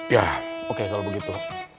ya oke kalau begitu